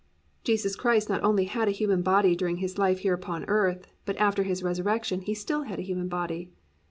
Jesus Christ not only had a human body during His life here upon earth, but after His resurrection He still had a human body.